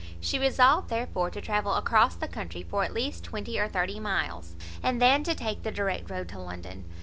She resolved, therefore, to travel across the country, for at least twenty or thirty miles, and then to take the direct road to London.